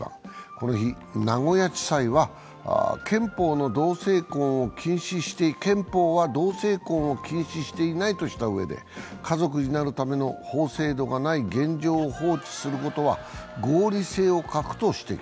この日、名古屋地裁は憲法は同性婚を禁止していないとしたうえで家族になるための法制度がない現状を放置することは合理性を欠くと指摘。